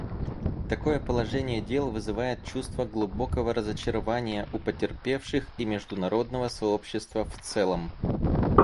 Такое положение дел вызывает чувство глубокого разочарования у потерпевших и международного сообщества в целом.